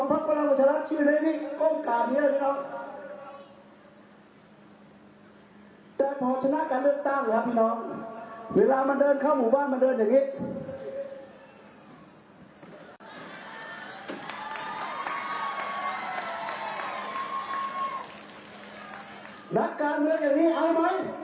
รักการเลือกอย่างนี้เอาไหมเอาไหม